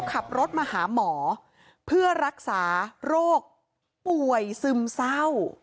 ขับรถมาหาหมอเพื่อรักษาโรคป่วยซึมเศร้า